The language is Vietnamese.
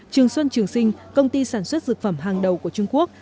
trường xuân trường sinh công ty sản xuất dược phẩm hàng đầu của trung quốc